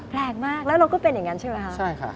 แรงมากแล้วเราก็เป็นอย่างนั้นใช่ไหมคะใช่ค่ะ